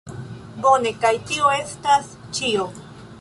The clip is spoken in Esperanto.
Bone, Kaj tio estas ĉio